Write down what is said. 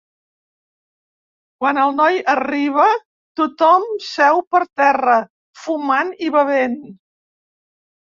Quan el noi arriba tothom seu per terra, fumant i bevent.